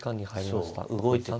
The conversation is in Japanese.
はい。